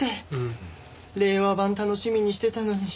令和版楽しみにしてたのに。